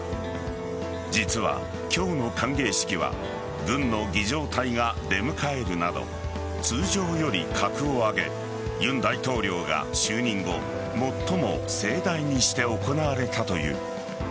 実は今日の歓迎式は軍の儀仗隊が出迎えるなど通常より格を上げ尹大統領が就任後最も盛大にして行われたという。